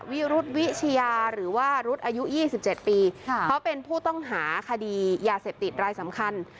วิรุธวิชยาหรือว่ารุ๊ดอายุ๒๗ปีเขาเป็นผู้ต้องหาคดียาเสพติดรายสำคัญ